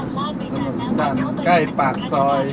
นับส่วนใจใกล้ปากซอย๒๕